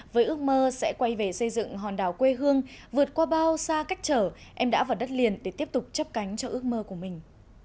với ước mơ sẽ quay về xây dựng hòn đảo quê hương vượt qua bao xa cách trở em đã vào đất liền để tiếp tục chấp cánh cho ước mơ của mình